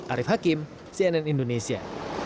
arief hakim cnn indonesia